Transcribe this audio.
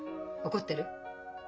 怒ってる？